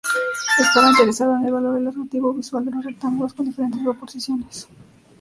Estaba interesado en evaluar el atractivo visual de los rectángulos con diferentes proporciones.